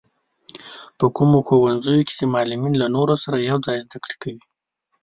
په کومو ښوونځیو کې چې معلولين له نورو سره يوځای زده کړې کوي.